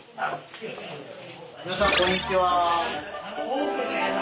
皆さんこんにちは。